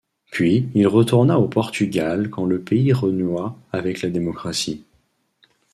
Puis il retourna au Portugal quand le pays renoua avec la démocratie.